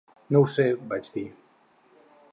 "No ho sé", vaig dir.